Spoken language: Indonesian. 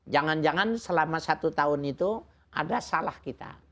jangan jangan selama satu tahun itu ada salah kita